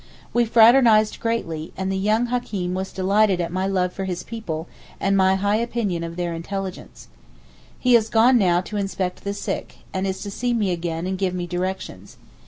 We fraternized greatly, and the young hakeem was delighted at my love for his people, and my high opinion of their intelligence. He is now gone to inspect the sick, and is to see me again and give me directions.